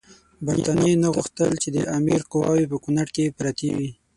برټانیې نه غوښتل چې د امیر قواوې په کونړ کې پرتې وي.